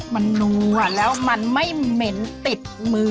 มันนัวแล้วมันไม่เหม็นติดมือ